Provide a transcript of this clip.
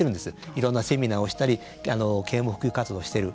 いろんなセミナーをしたり啓蒙普及活動をしている。